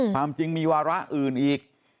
ความจริงมีวาระอื่นอีก